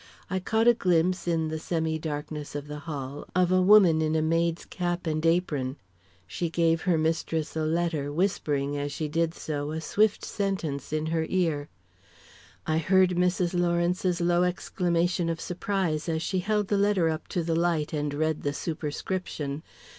I caught a glimpse, in the semi darkness of the hall, of a woman in a maid's cap and apron. She gave her mistress a letter, whispering, as she did so, a swift sentence in her ear. I heard Mrs. Lawrence's low exclamation of surprise, as she held the letter up to the light and read the superscription.